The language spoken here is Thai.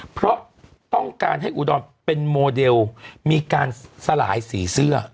เพราะต้องการให้อุดรเป็นโมเดลมีการสลายสีเสื้อ